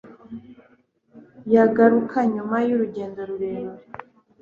yagaruka nyuma y'urugendo rurerure